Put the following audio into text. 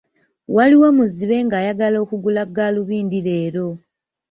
Waliwo muzibe ng'ayagala okugula gaalubindi leero.